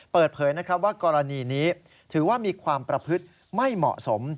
เปิดเผยว่ากรณีนี้ถือว่ามีความประพฤติไม่เหมาะสม